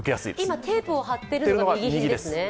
今テープを貼っているのが、右肘ですね。